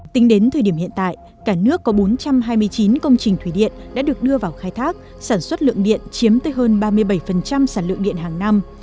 tính đến thời điểm hiện tại cả nước có bốn trăm hai mươi chín công trình thủy điện đã được đưa vào khai thác sản xuất lượng điện chiếm tới hơn ba mươi bảy sản lượng điện hàng năm